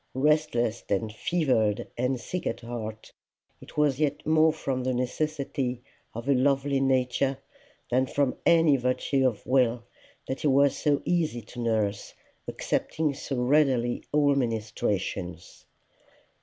Restless and fevered and sick at heart, it was yet more from the necessity of a lovely nature than from any virtue of will that he was so easy to nurse, accepting so readily all ministrations.